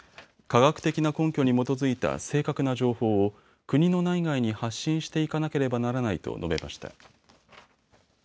科学的な根拠に基づいた正確な情報を国の内外に発信していかなければならないと述べました。